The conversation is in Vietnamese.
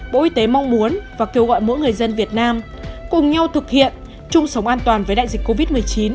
bộ y tế mong muốn và kêu gọi mỗi người dân việt nam cùng nhau thực hiện chung sống an toàn với đại dịch covid một mươi chín